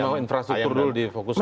jadi mau infrastruktur dulu difokuskan